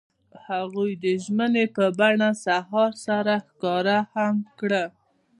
هغوی د ژمنې په بڼه سهار سره ښکاره هم کړه.